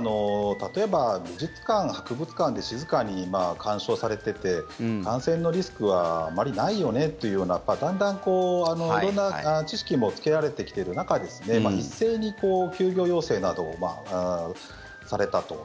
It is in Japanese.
例えば、美術館、博物館で静かに鑑賞されていて感染のリスクはあまりないよねというようなだんだん色んな知識もつけられてきている中一斉に休業要請などをされたと。